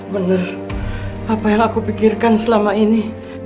benar apa yang aku pikirkan selama ini